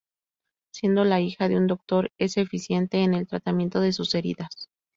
Siendo la hija de un doctor, es eficiente en el tratamiento de sus heridas.